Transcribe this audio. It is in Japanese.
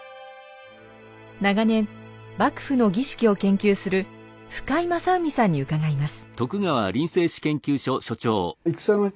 長年幕府の儀式を研究する深井雅海さんに伺います。